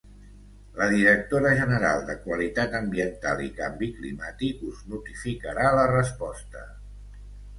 La directora general de Qualitat Ambiental i Canvi Climàtic us notificarà la resposta.